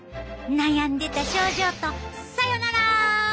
悩んでた症状とさよなら！